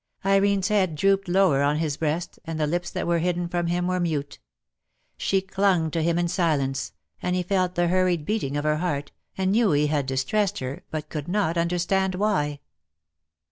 Irene's head drooped lower on his breast, and the lips that were hidden from him were mute. She clung to him in silence, and he felt the hurried beat ing of her heart, and knew he had distressed her, but could not understand why.